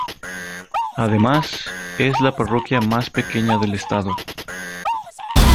Además, es la parroquia más pequeña del Estado.